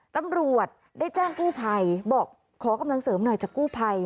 ตำรวจได้แจ้งกู้ภัยบอกขอกำลังเสริมหน่อยจากกู้ภัย